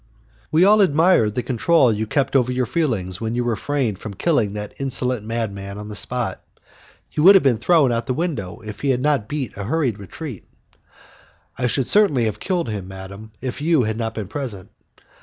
"We all admired the control you kept over your feelings when you refrained from killing that insolent madman on the spot; he would have been thrown out of the window if he had not beat a hurried retreat." "I should certainly have killed him, madam, if you had not been present."